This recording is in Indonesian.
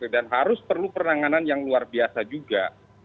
dan harus perlu peranganan yang luar biasa juga